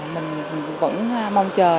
mình vẫn mong chờ